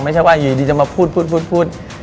ไม่ใช่ว่าอยู่ดีจะมาพูด